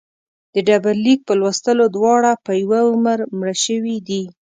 د ډبرلیک په لوستلو دواړه په یوه عمر مړه شوي دي.